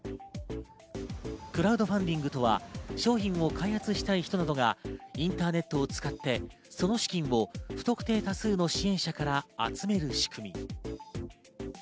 クラウドファンディングとは商品を開発したい人などがインターネットを使ってその資金を不特定多数の支援者から集める仕組み。